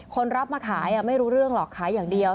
คนรับมาขายไม่รู้เรื่องหรอกขายอย่างเดียว